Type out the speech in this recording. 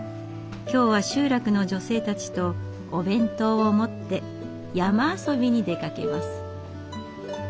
今日は集落の女性たちとお弁当を持って山遊びに出かけます。